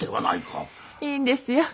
いいんですよ。